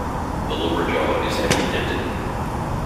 The lower jaw is heavily dented.